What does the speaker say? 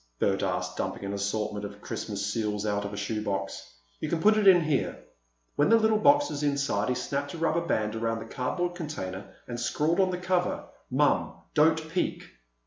Bert asked, dumping an assortment of Christmas seals out of a shoe box. "You can put it in here." When the little box was inside, he snapped a rubber band around the cardboard container and scrawled on the cover "Mom—Don't peek!"